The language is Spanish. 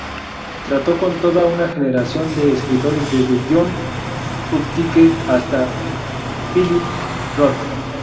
Trató con toda una generación de escritores desde John Updike hasta Philip Roth.